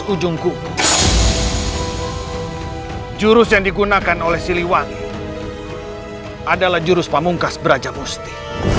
di ujung kubur jurus yang digunakan oleh siliwangi adalah jurus pamungkas brajamusti